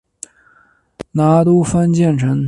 拿督潘健成